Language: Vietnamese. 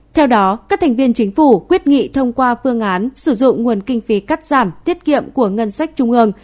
theo đó các thành viên chính phủ quyết nghị thông qua phương án sử dụng nguồn kinh phí cắt giảm tiết kiệm của ngân sách trung ương